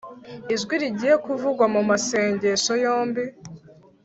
ijwi rigiye kuvugwa mumasengesho yombi